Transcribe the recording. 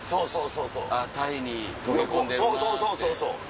そうそうそうそう！